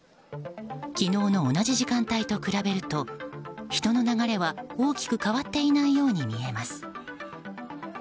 昨日の同じ時間帯と比べると人の流れは大きく変わっていないように見えます。